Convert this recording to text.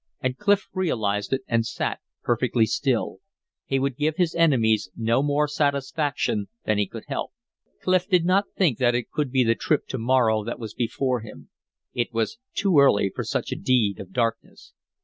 And Clif realized it and sat perfectly silent. He would give his enemies no more satisfaction than he could help. Clif did not think that it could be the trip to Morro that was before him; it was too early for such a deed of darkness.